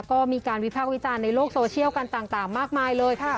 ก็มีการวิพากษ์วิจารณ์ในโลกโซเชียลกันต่างมากมายเลย